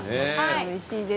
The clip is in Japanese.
おいしいです。